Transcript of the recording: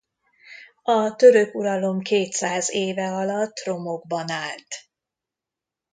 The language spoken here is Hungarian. A török uralom kétszáz éve alatt romokban állt.